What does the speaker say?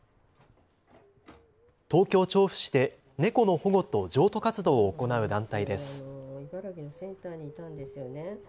東京調布市で猫の保護と譲渡活動を行う団体です。